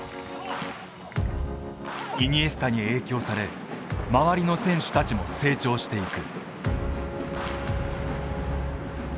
イニエスタに影響され周りの選手たちも成長していく。